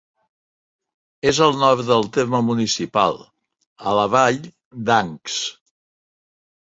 És al nord del terme municipal, a la Vall d'Ancs.